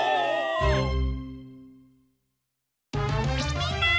みんな！